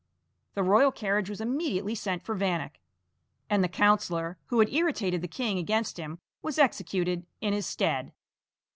The royal carriage was immediately sent for Vanek, and the councillor who had irritated the king against him was executed in his stead.